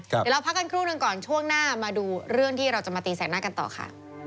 เดี๋ยวเราพักกันครู่หนึ่งก่อนช่วงหน้ามาดูเรื่องที่เราจะมาตีแสงหน้ากันต่อค่ะ